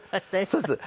そうです。